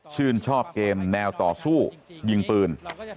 ชื่นชอบเกมแนวต่อสู้ยิงปืน